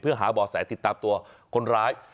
เพื่อหาบ่อแสติดตามตัวคนร้าย